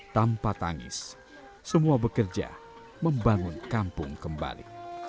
tanpa tangis semua bekerja membangun kampung kembali